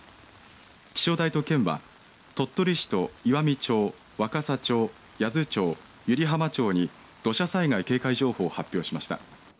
気象台と県は鳥取市と岩美町、若桜町八頭町、湯梨浜町に土砂災害警戒情報を発表しました。